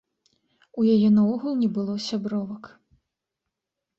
У яе наогул не было сябровак.